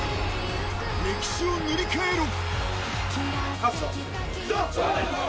歴史を塗り替えろ］